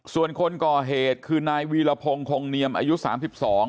ส่วนคนก่อเหตุคือนายวีรพงศ์คงเนียมอายุสามสิบสอง